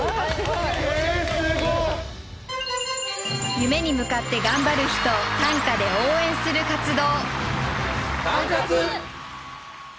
夢に向かって頑張る人を短歌で応援する活動。